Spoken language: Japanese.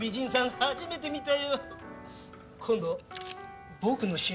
初めて見たよ。